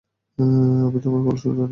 আমি তোমার কৌশল জানি।